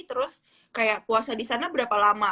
terus kayak puasa di sana berapa lama